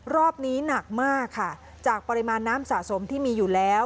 รอบนี้หนักมากค่ะจากปริมาณน้ำสะสมที่มีอยู่แล้ว